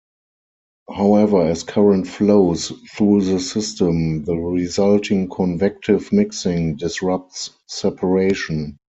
However, as current flows through the system, the resulting convective mixing disrupts separation.